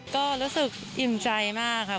ก็รู้สึกอิ่มใจมากครับ